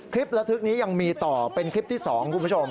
ระทึกนี้ยังมีต่อเป็นคลิปที่๒คุณผู้ชม